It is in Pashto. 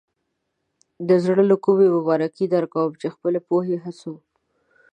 د زړۀ له کومې مبارکي درکوم چې د خپلې پوهې، هڅو.